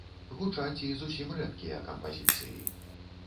Гучаць і зусім рэдкія кампазіцыі.